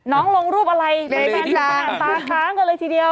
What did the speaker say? น้องลงรูปอะไรตาข้างกันเลยทีเดียว